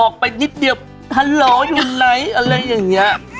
ไปนิดเดียวฮัลโหลอยู่ไหนอะไรอย่างนี้